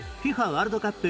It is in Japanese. ワールドカップ